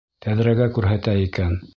Тәҙрәгә күрһәтә икән.